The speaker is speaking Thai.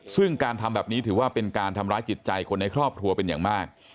ซึ่งการทำแบบนี้ถือว่าเป็นการทำร้ายจิตใจคนในครอบครัวเป็นอย่างมาก